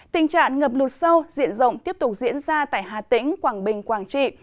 tình trạng ngập lụt sâu diện rộng tiếp tục diễn ra tại hà tĩnh quảng bình quảng trị